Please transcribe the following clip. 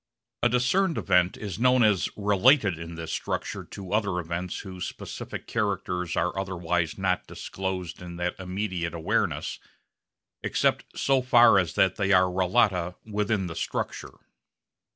A discerned event is known as related in this structure to other events whose specific characters are otherwise not disclosed in that immediate awareness except so far as that they are relata within the structure.